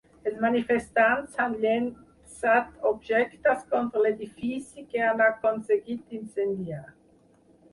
Els manifestants han llençat objectes contra l’edifici, que han aconseguit d’incendiar.